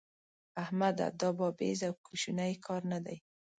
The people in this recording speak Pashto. احمده! دا بابېزه او کوشنی کار نه دی.